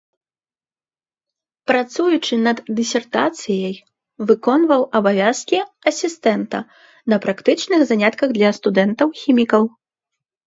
Працуючы над дысертацыяй, выконваў абавязкі асістэнта на практычных занятках для студэнтаў хімікаў.